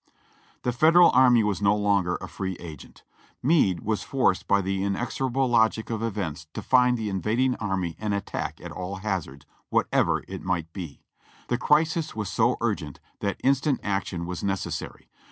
The Federal army was no longer a free agent. Meade was forced by the inexorable logic of events to find the invading army and attack at all hazards, wherever it might be. The crisis was so urgent that instant action was necessary.